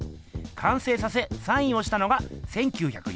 完成させサインをしたのが１９４９年。